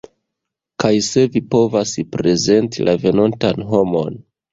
Kaj se vi povas prezenti la venontan homon